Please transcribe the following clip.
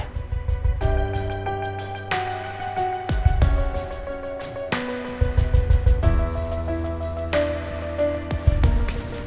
pernah gak pulang ya